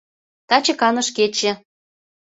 — Таче каныш кече.